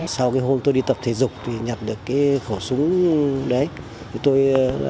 sau hôm tôi đi tập thể dục tôi nhặt được khẩu súng đấy